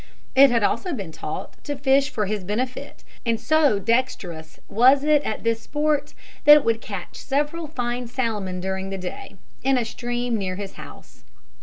It had also been taught to fish for his benefit; and so dexterous was it at this sport, that it would catch several fine salmon during the day, in a stream near his house.